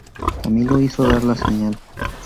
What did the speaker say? Camilo hizo dar la señal.